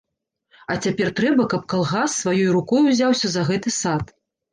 А цяпер трэба, каб калгас сваёю рукою ўзяўся за гэты сад.